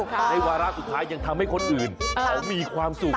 ในวาระสุดท้ายยังทำให้คนอื่นเขามีความสุข